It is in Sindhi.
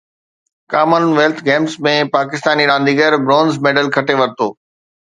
ڪمن ويلٿ گيمز ۾ پاڪستاني رانديگر برونز ميڊل کٽي ورتو